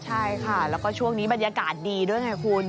ใช่ค่ะแล้วก็ช่วงนี้บรรยากาศดีด้วยไงคุณ